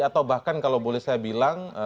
atau bahkan kalau boleh saya bilang